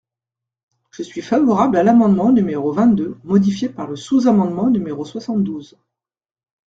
Je suis favorable à l’amendement numéro vingt-deux modifié par le sous-amendement numérosoixante-douze.